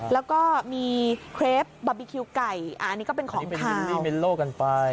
แล้วก็มีเคร็บบาร์บีคิวไก่อ่าอันนี้ก็เป็นของคาวอันนี้เป็นมิลลูกกันไป